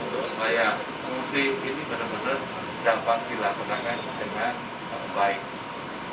untuk supaya mudik ini benar benar dapat dilaksanakan dengan baik